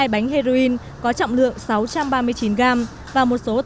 hai bánh heroin có trọng lượng sáu trăm ba mươi chín gram